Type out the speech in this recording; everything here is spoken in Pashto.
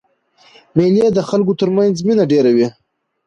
مېلې د خلکو تر منځ مینه ډېروي.